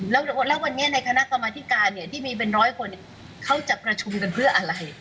แล้ววันนี้ในคณะกรรมธิการเนี่ยที่มีเป็นร้อยคนเขาจะประชุมกันเพื่ออะไร